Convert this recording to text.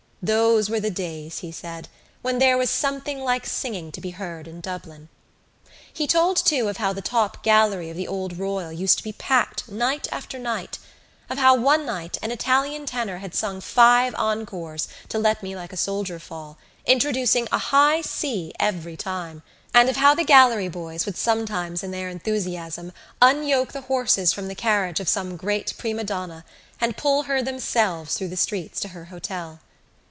Those were the days, he said, when there was something like singing to be heard in Dublin. He told too of how the top gallery of the old Royal used to be packed night after night, of how one night an Italian tenor had sung five encores to Let me like a Soldier fall, introducing a high C every time, and of how the gallery boys would sometimes in their enthusiasm unyoke the horses from the carriage of some great prima donna and pull her themselves through the streets to her hotel.